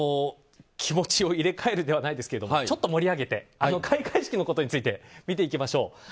気持ちを入れ替えるだけではないですけどちょっと盛り上げて開会式のことについて見ていきましょう。